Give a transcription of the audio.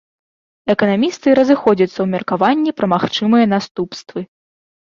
Эканамісты разыходзяцца ў меркаванні пра магчымыя наступствы.